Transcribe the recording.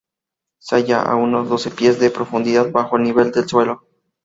Se halla a unos doce pies de profundidad bajo el nivel del suelo.